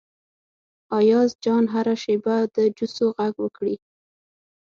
ایاز جان هره شیبه د جوسو غږ وکړي.